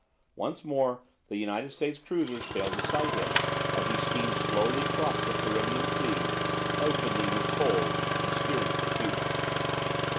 Once more the United States cruisers failed to sight him, as he steamed slowly across the Caribbean Sea, husbanding his coal and steering for Cuba.